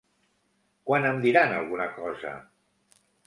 Quan em diran alguna cosa?